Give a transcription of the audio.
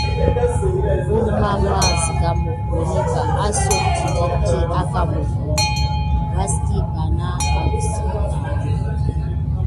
Kurmama siga mokoni ba asoh dite diki aka mokoni vas ki bana ansiga.